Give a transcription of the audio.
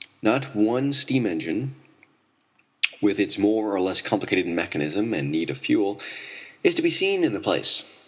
Not one steam engine, with its more or less complicated mechanism and need of fuel, is to be seen in the place.